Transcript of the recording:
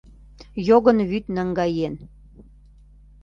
Йогын вÿд наҥгаен.